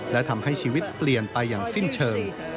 และทำให้ชีวิตเปลี่ยนไปอย่างสิ้นเชิง